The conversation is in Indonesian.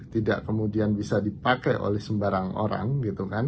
tidak kemudian bisa dipakai oleh sembarang orang gitu kan